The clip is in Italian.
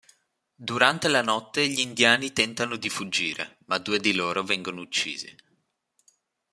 Durante la notte gli indiani tentano di fuggire, ma due di loro vengono uccisi.